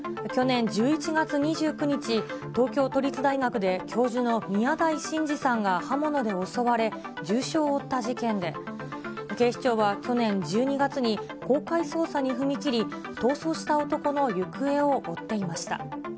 去年１１月２９日、東京都立大学で教授の宮台真司さんが刃物で襲われ、重傷を負った事件で、警視庁は去年１２月、公開捜査に踏み切り、逃走した男の行方を追っていました。